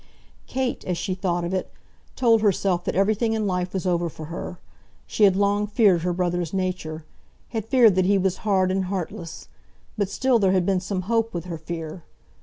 Kate, as she thought of it, told herself that everything in life was over for her. She had long feared her brother's nature, had feared that he was hard and heartless; but still there had been some hope with her fear.